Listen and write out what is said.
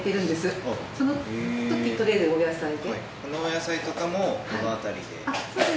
このお野菜とかもこのあたりで？